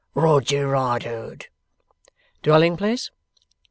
'Roger Riderhood.' 'Dwelling place?